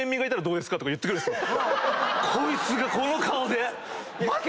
こいつがこの顔で！